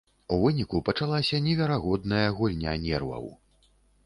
У выніку пачалася неверагодная гульня нерваў.